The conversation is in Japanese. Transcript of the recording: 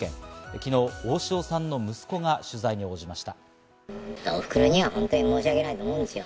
昨日、大塩さんの息子が取材に応じました。